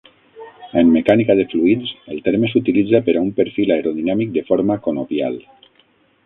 En mecànica de fluids, el terme s'utilitza per a un perfil aerodinàmic de forma conopial.